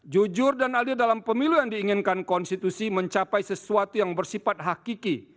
jujur dan adil dalam pemilu yang diinginkan konstitusi mencapai sesuatu yang bersifat hakiki